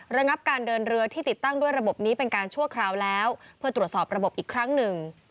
ระงับการเดินเรือที่ติดตั้งด้วยระบบนี้เป็นการชั่วคราวแล้วเพื่อตรวจสอบระบบอีกครั้งหนึ่ง